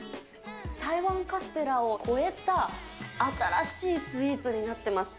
台湾カステラを超えた新しいスイーツになってます。